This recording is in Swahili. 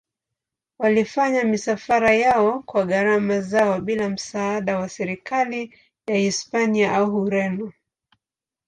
Walifanya misafara yao kwa gharama zao bila msaada wa serikali ya Hispania au Ureno.